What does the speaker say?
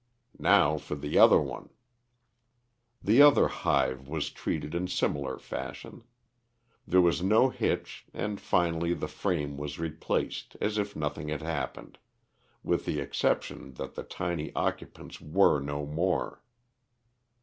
Now for the other one." The other hive was treated in similar fashion. There was no hitch and finally the frame was replaced as if nothing had happened, with the exception that the tiny occupants were no more.